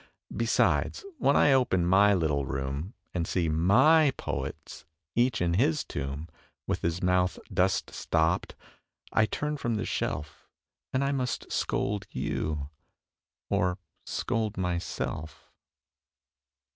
Besides, when I open my little room And see my poets, each in his tomb, With his mouth dust stopped, I turn from the shelf And I must scold you, or scold myself.